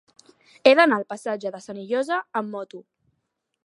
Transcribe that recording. He d'anar al passatge de Senillosa amb moto.